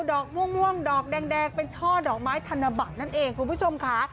ดอกม่วงดอกแดงเป็นช่อดอกไม้ธนบัตรนั่นเองคุณผู้ชมค่ะ